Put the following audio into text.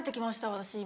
私今。